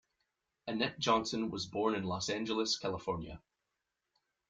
Annette Johnson was born in Los Angeles, California.